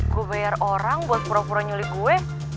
gue bayar orang buat pura pura nyulik gue